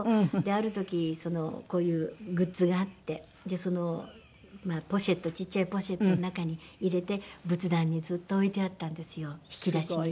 ある時こういうグッズがあってポシェットちっちゃいポシェットの中に入れて仏壇にずっと置いてあったんですよ引き出しに。